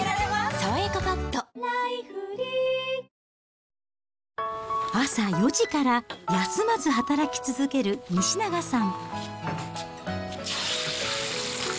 「さわやかパッド」朝４時から休まず働き続ける西永さん。